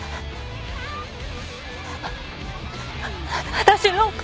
私のお金。